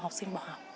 học sinh bỏ học